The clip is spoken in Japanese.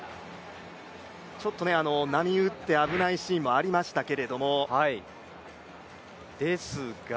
ちょっと波打って危ないシーンもありましたけれども。